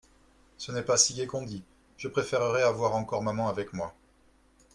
Ce n'est pas si gai qu'on dit, je préférerais avoir encore maman avec moi.